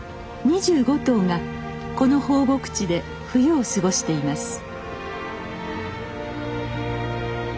２５頭がこの放牧地で冬を過ごしています。